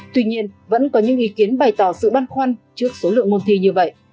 tuy nhiên vẫn có những ý kiến bày tỏ sự băn khoăn trước số lượng môn thi như vậy